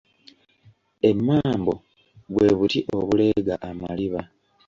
Emmambo bwe buti obuleega amaliba.